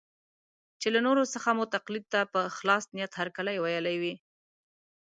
چې له نورو څخه مو تقلید ته په خلاص نیت هرکلی ویلی وي.